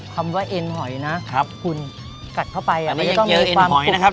คำว่าเอ็นหอยนะครับคุณกัดเข้าไปอันนี้ยังเยอะเอ็นหอยนะครับ